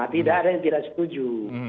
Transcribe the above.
tidak ada yang tidak setuju